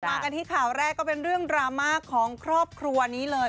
มากันที่ข่าวแรกก็เป็นเรื่องดราม่าของครอบครัวนี้เลย